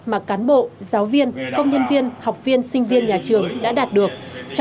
mà cán bộ giáo viên công nhân viên học viên sinh viên nhà trường đã đạt được